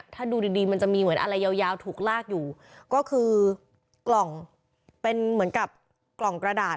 ถ้าดูดีมันจะมีเหมือนอะไรยาวถูกลากอยู่ก็คือกล่องเป็นเหมือนกับกล่องกระดาษ